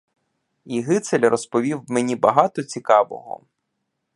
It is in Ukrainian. І гицель розповів мені багато цікавого.